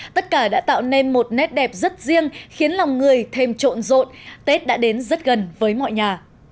tất cả đã tạo nên một nét đẹp rất riêng khiến lòng người thêm trộn rộn tết đã đến rất gần với mọi nhà